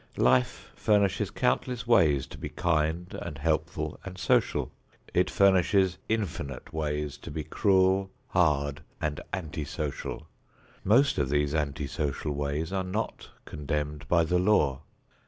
Life furnishes countless ways to be kind and helpful and social. It furnishes infinite ways to be cruel, hard and anti social. Most of these anti social ways are not condemned by the law.